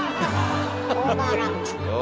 オーバーラップ。